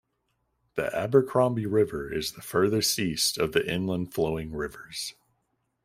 The Abercrombie River is the furthest east of the inland flowing rivers.